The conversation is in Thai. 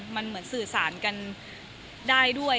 มันเหมือนสื่อสารกันได้ด้วย